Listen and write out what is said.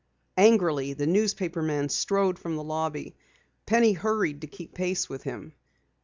Angrily, the newspaper man strode from the lobby. Penny hurried to keep pace with him.